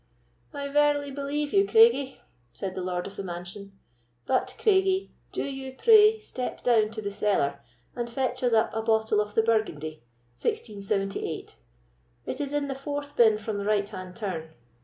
"I verily believe you, Craigie," said the lord of the mansion; "but, Craigie, do you, pray, step down to the cellar, and fetch us up a bottle of the Burgundy, 1678; it is in the fourth bin from the right hand turn.